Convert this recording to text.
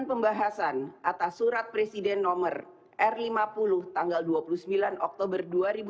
dan memperkenalkan pembahasan atas surat presiden no r lima puluh tanggal dua puluh sembilan oktober dua ribu dua puluh satu